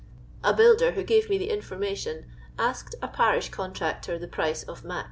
A builder, who gave me the inform ation, nsked a parish contractor the price of " mac."